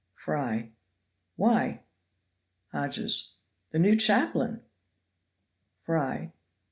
Fry. Why? Hodges. The new chaplain! Fry.